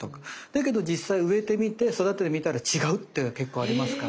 だけど実際植えてみて育ててみたら違うっていうのは結構ありますから。